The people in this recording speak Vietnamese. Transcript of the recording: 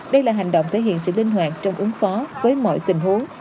đây là hành động thể hiện sự linh hoạt trong ứng phó với mọi tình huống